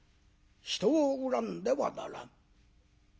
人を恨んではならぬ。